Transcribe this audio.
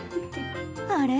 あれ？